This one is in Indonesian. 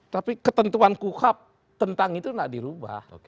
tapi ketentuan kukap tentang itu nggak dirubah